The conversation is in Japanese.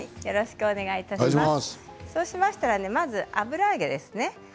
そうしましたらまずは油揚げですね。